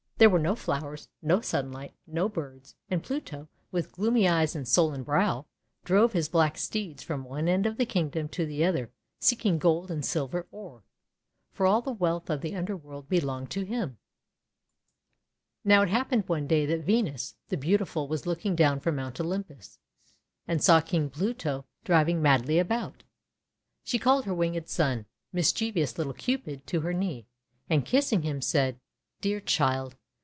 There were no flowers, no sunlight, no birds; and Pluto, with gloomy eyes and sullen brow, drove his black steeds from one end of the Kingdom to the other seeking gold and silver ore; for all the wealth of the underworld belonged to him. HUNDRED HEADED DAFFODIL 425 Now it happened one day that Venus the Beautiful was looking down from Mount Olym pus and saw King Pluto driving madly about. She called her winged son, mischievous little Cupid, to her knee, and, kissing him, said :— "Dear Child!